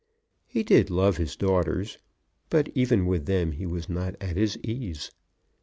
He did love his daughters; but even with them he was not at his ease.